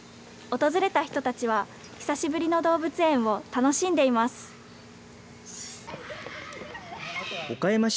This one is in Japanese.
訪れた人たちは久しぶりの動物園を楽しんでいます。